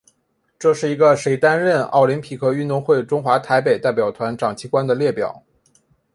这是一个谁曾担任奥林匹克运动会中华台北代表团掌旗官的列表。